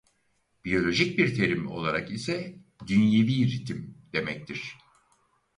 Biyolojik bir terim olarak ise dünyevi ritim demektir.